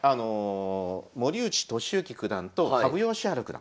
森内俊之九段と羽生善治九段。